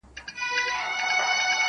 • خپل ملي بیرغونه پورته کوي -